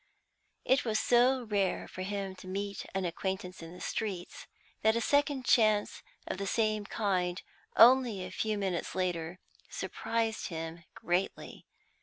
It was so rare for him to meet an acquaintance in the streets, that a second chance of the same kind, only a few minutes later, surprised him greatly.